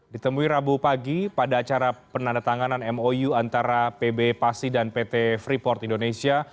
ditemui rabu pagi pada acara penandatanganan mou antara pb pasi dan pt freeport indonesia